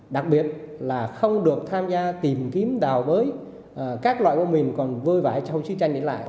đặc biệt là không được tham gia tìm kiếm đào với các loại của mình còn vơi vải trong sứ tranh đi lại